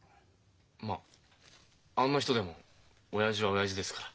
まああんな人でも親父は親父ですから。